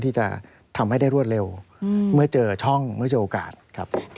ที่จะทำให้ได้รวดเร็วเมื่อเจอช่องเมื่อเจอโอกาสครับ